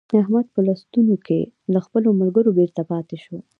احمد په لوستونو کې له خپلو ملګرو بېرته پاته شو.